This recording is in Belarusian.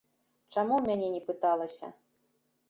Чаму ў мяне не пыталася?